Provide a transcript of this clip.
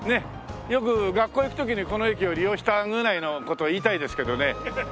よく学校行く時にこの駅を利用したぐらいの事言いたいですけどね。